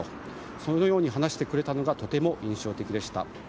そのように話してくれたのがとても印象的でした。